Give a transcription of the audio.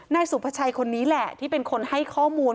นายสุภาชัยคนนี้แหละที่เป็นคนให้ข้อมูล